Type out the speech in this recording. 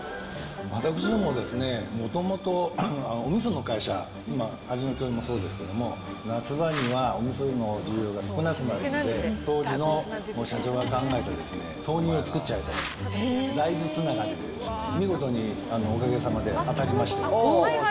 私どもは、もともとおみその会社、今、味の饗宴もそうですけど、夏場にはおみその需要が少なくなるので、当時の社長が考えた、豆乳を作っちゃえと、大豆つながりでですね、見事におかげさまで当たりまして。